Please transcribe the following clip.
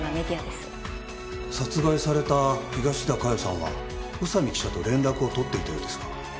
殺害された東田加代さんは宇佐美記者と連絡を取っていたようですが。